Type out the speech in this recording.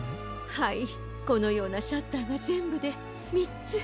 はいこのようなシャッターがぜんぶでみっつ。